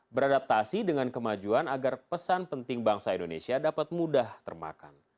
beradaptasi dengan kemajuan agar pesan penting bangsa indonesia dapat mudah termakan